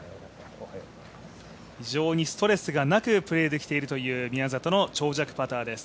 非常にストレスがなくプレーできているという宮里の長尺パターです。